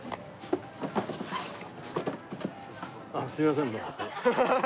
あっすみませんね。